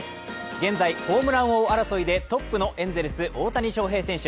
現在ホームラン王争いでトップのエンゼルス・大谷翔平選手。